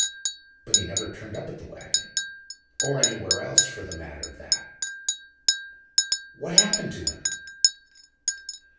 But he never turned up at the Wagon—or anywhere else for the matter of that." "What happened to him?"